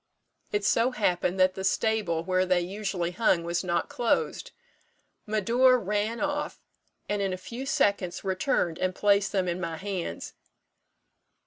It so happened that the stable where they usually hung was not closed. Médor ran off, and in a few seconds returned and placed them in my hands.